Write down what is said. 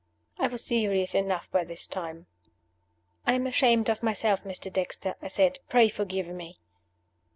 I was serious enough by this time. "I am ashamed of myself, Mr. Dexter," I said. "Pray forgive me."